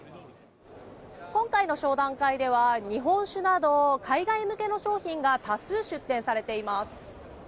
今回の商談会では日本酒など海外向けの商品が多数、出展されています。